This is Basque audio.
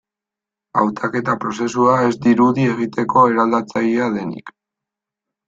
Hautaketa prozesua ez dirudi egiteko eraldatzailea denik.